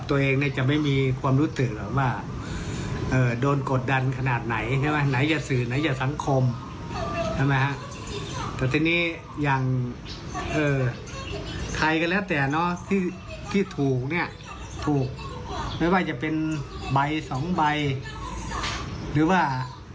ที่ถูกเนี่ยถูกให้ก็จะเป็นใบสองใบหรือว่า